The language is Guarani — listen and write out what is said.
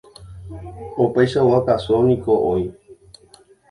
Opaichagua káso niko oĩ.